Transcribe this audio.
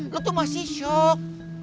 lu tuh masih shock